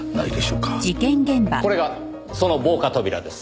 これがその防火扉です。